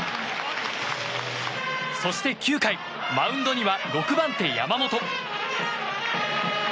そして９回マウンドには６番手、山本。